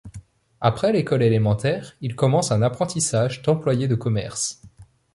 Après l'école élémentaire, il commence un apprentissage d'employé de commerce.